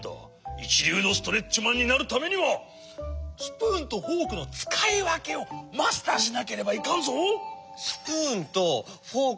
いちりゅうのストレッチマンになるためにはスプーンとフォークのつかいわけをマスターしなければいかんぞ。